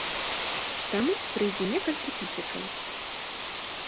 Таму прыйдзе некалькі тысячаў.